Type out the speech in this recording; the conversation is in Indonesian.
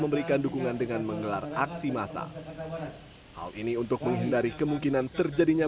memberikan dukungan dengan mengelar aksi massa hal ini untuk menghindari kemungkinan terjadinya